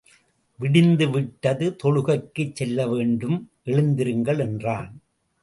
விடிந்து விட்டது, தொழுகைக்குச் செல்லவேண்டும், எழுந்திருங்கள் என்றான்.